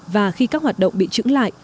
và khi các hoạt động bị chững lại